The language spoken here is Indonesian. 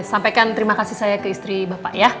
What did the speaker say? sampaikan terima kasih saya ke istri bapak ya